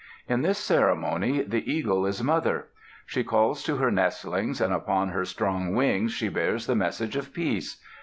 In this ceremony, the eagle is "Mother." She calls to her nestlings and upon her strong wings she bears the message of peace.